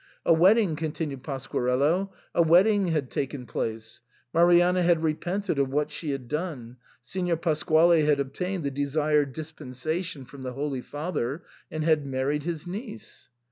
A wedding, continued Pasquarello, a wedding had taken place. Marianna had repented of what she had done ; Signor Pasquale had obtained the desired dis pensation from the Holy Father, and had married his niece.